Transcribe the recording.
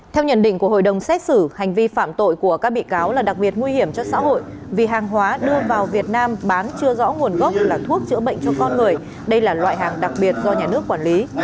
theo nhận định của hội đồng xét xử hành vi phạm tội của các bị cáo là đặc biệt nguy hiểm cho xã hội vì hàng hóa đưa vào việt nam bán chưa rõ nguồn gốc là thuốc chữa bệnh cho con người đây là loại hàng đặc biệt do nhà nước quản lý